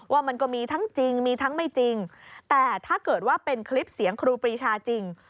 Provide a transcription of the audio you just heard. ว่ามันก็มีทั้งจริงมีทั้งไม่จริงแต่ถ้าเกิดว่าเป็นคลิปเสียงครูปรีชาจริง